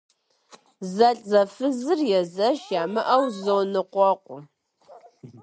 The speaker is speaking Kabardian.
Зэлӏзэфызыр езэш ямыщӏэу зоныкъуэкъу.